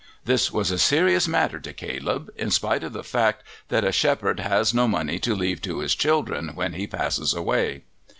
This was a serious matter to Caleb, in spite of the fact that a shepherd has no money to leave to his children when he passes away.